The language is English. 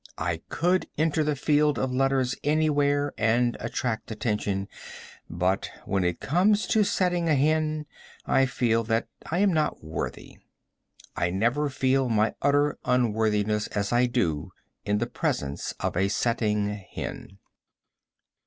I could enter the field of letters anywhere and attract attention, but when it comes to setting a hen I feel that I am not worthy. I never feel my utter unworthiness as I do in the presence of a setting hen.